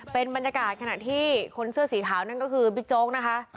เป็นบรรยากาศขณะที่คนเสื้อสีขาวนั่นก็คือบิ๊กโจ๊กนะคะ